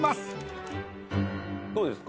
どうですか？